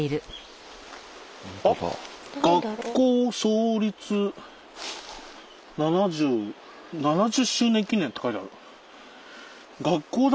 「学校創立七十周年記念」って書いてある。